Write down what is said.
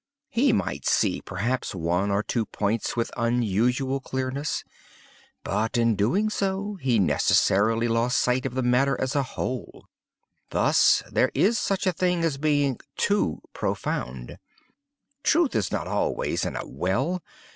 He might see, perhaps, one or two points with unusual clearness, but in so doing he, necessarily, lost sight of the matter as a whole. Thus there is such a thing as being too profound. Truth is not always in a well.